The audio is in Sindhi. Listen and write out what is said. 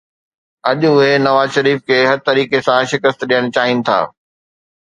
اڄ اهي نواز شريف کي هر طريقي سان شڪست ڏيڻ چاهين ٿا